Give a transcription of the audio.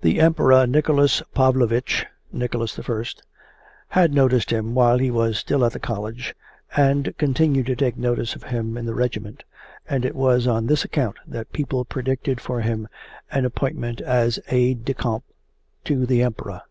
The Emperor Nicholas Pavlovich (Nicholas I) had noticed him while he was still at the College, and continued to take notice of him in the regiment, and it was on this account that people predicted for him an appointment as aide de camp to the Emperor.